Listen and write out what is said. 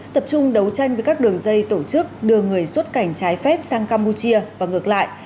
tập trung đấu tranh với các đường dây tổ chức đưa người xuất cảnh trái phép sang campuchia và ngược lại